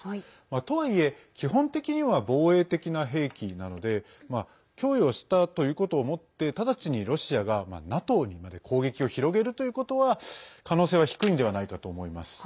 とはいえ、基本的には防衛的な兵器なので供与したということをもって直ちにロシアがＮＡＴＯにまで攻撃を広げるということは可能性は低いんでないかと思います。